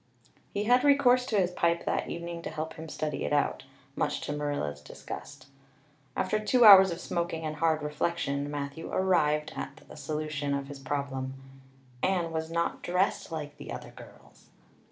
He had recourse to his pipe that evening to help him study it out, much to Marilla's disgust. After two hours of smoking and hard reflection Matthew arrived at a solution of his problem. Anne was not dressed like the other girls!